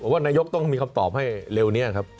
ว่านายกต้องมีคำตอบให้เร็วนี้ครับ